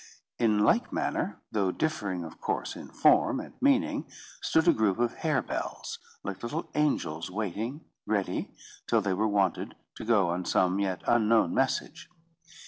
In like manner, though differing of course in form and meaning, stood a group of harebells, like little angels waiting, ready, till they were wanted to go on some yet unknown message.